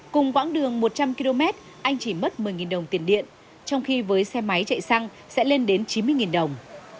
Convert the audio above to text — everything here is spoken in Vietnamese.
cùng quãng đường một trăm linh km anh chỉ mất một mươi đồng tiền điện trong khi với xe máy chạy xăng sẽ lên đến chín mươi đồng